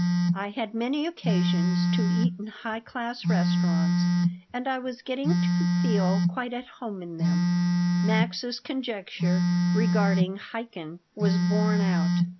I had many occasions to eat in high class restaurants and I was getting to feel quite at home in them Max's conjecture regarding Chaikin was borne out.